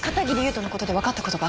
斗のことで分かったことが。